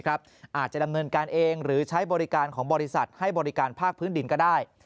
อาจจะดำเนินการเองหรือใช้บริการของบริษัทให้บริการภาคพื้นดินก็ได้